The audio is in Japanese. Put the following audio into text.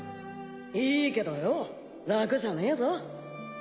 いいけどよ楽じゃねえぞ。